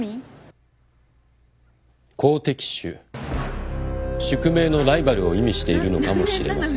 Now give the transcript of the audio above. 好敵手宿命のライバルを意味しているのかもしれません。